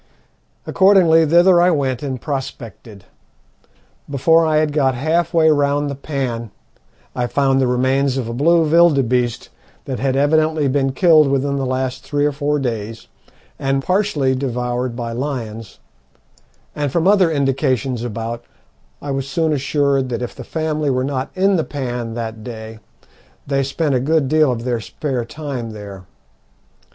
Accordingly thither I went and prospected. Before I had got half way round the pan I found the remains of a blue vilderbeeste that had evidently been killed within the last three or four days and partially devoured by lions; and from other indications about I was soon assured that if the family were not in the pan that day they spent a good deal of their spare time there.